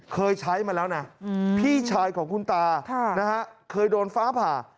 เคยใช้มาแล้วนะพี่ชายของคุณตาเคยโดนฟ้าผ่า